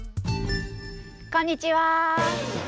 こんにちは！